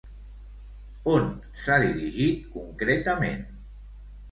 On s'ha dirigit, concretament?